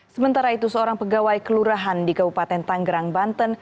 sementara itu seorang pegawai kelurahan di kabupaten tanggerang banten